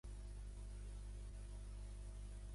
Se sentia la mar desespaerada rebolcar-se en son llit.